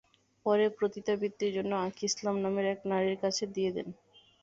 পরে পতিতাবৃত্তির জন্য আঁখি ইসলাম নামের এক নারীর কাছে দিয়ে দেন।